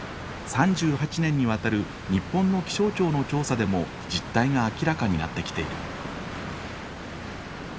３８年にわたる日本の気象庁の調査でも実態が明らかになってきている。